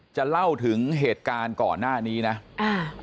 จะเล่าถึงเหตุการณ์ก่อนหน้านี้นะอ่า